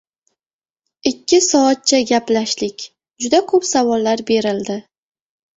Ikki soatcha gaplashdik, juda koʻp savollar berildi.